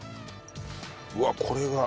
うわっこれが。